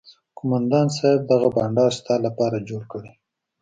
قومندان صايب دغه بنډار ستا لپاره جوړ کړى.